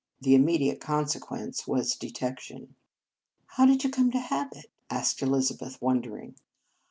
The immediate consequence was de tection. "How did you come to have it?" asked Elizabeth, wondering.